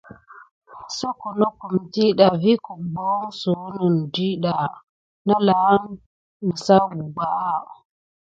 Soko nokum ɗiɗɑ vi guboho suyune net ɗiɗa alan nisaku bebaya.